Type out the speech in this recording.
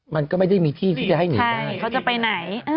มันก็ไม่มีที่ให้หนีได้ใช่เขาจะไปไหน